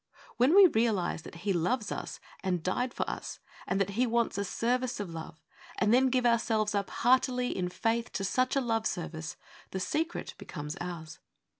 When we realize that He loves us and died for us, and that He wants a service of love, and then give ourselves up heartily, in faith, to such a love service, the secret becomes ours.